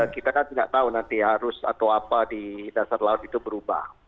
kita kan tidak tahu nanti arus atau apa di dasar laut itu berubah